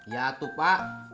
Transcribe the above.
ya tuh pak